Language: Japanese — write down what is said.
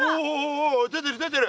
おお出てる出てる！